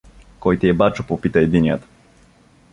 — Кой ти е бачо? — попита единият.